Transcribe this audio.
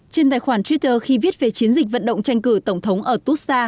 trên tài khoản twitter khi viết về chiến dịch vận động tranh cử tổng thống ở tusa